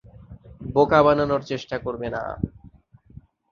বোকা বানানোর চেষ্টা করবে না।